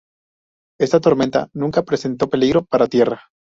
Esta tormenta nunca representó peligro para tierra.